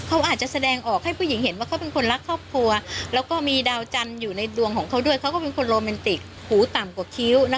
และเค้าก็มีดาวจันทร์อยู่ในดวงเพื่อโรแมนติคหูต่ำกว่าคิ้ว